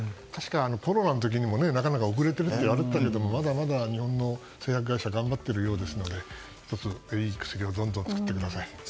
コロナの時にも遅れているといわれていたけれどもまだまだ日本の製薬会社頑張ってるようですのでいい薬をどんどん作ってください。